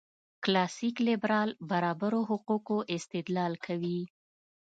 کلاسیک لېبرال برابرو حقوقو استدلال کوي.